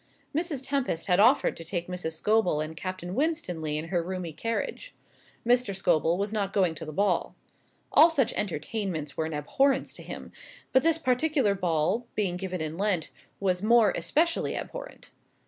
Mrs Tempest had offered to take Mrs. Scobel and Captain Winstanley in her roomy carriage. Mr. Scobel was not going to the ball. All such entertainments were an abhorrence to him; but this particular ball, being given in Lent, was more especially abhorrent.